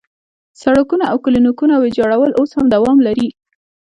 سړکونه او کلینیکونه ویجاړول اوس هم دوام لري.